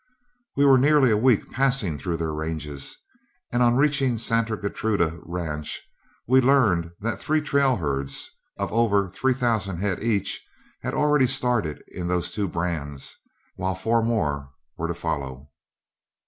We were nearly a week passing through their ranges, and on reaching Santa Gertruda ranch learned that three trail herds, of over three thousand head each, had already started in these two brands, while four more were to follow.